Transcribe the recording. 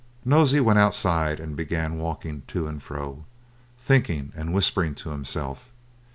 Nosey went outside, and began walking to and fro, thinking and whispering to himself.